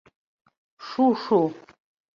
Шушу...